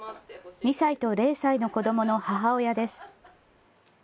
２歳と０歳の子どもの母親です。